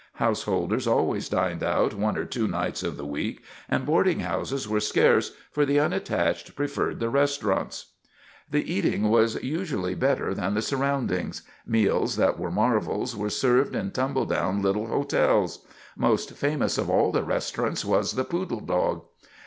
Householders always dined out one or two nights of the week, and boarding houses were scarce, for the unattached preferred the restaurants. The eating was usually better than the surroundings. Meals that were marvels were served in tumbledown little hotels. Most famous of all the restaurants was the Poodle Dog.